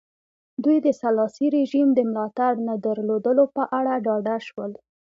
دوی د سلاسي رژیم د ملاتړ نه درلودلو په اړه ډاډه شول.